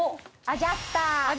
アジャスター。